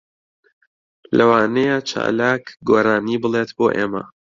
لەوانەیە چالاک گۆرانی بڵێت بۆ ئێمە.